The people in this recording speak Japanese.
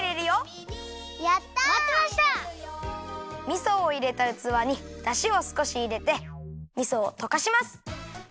みそをいれたうつわにだしをすこしいれてみそをとかします。